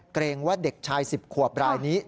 เกรงว่าเด็กชาย๑๐ขวบรายนี้